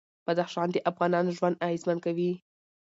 بدخشان د افغانانو ژوند اغېزمن کوي.